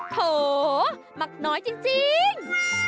โถมักน้อยจริง